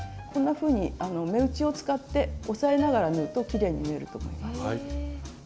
こんなふうに目打ちを使って押さえながら縫うときれいに縫えると思います。